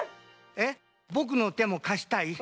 えっぼくの手もかしたい？